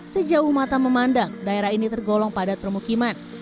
sejauh mata memandang daerah ini tergolong padat permukiman